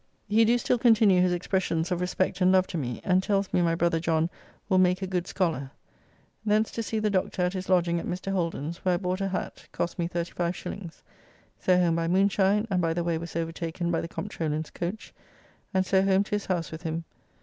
He do still continue his expressions of respect and love to me, and tells me my brother John will make a good scholar. Thence to see the Doctor at his lodging at Mr. Holden's, where I bought a hat, cost me 35s. So home by moonshine, and by the way was overtaken by the Comptroller's coach, and so home to his house with him.